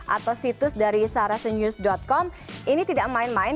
atau situs dari sarasenews com ini tidak main main